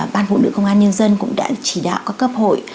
ban phụ nữ công an nhân dân cũng đã chỉ đạo các cấp hội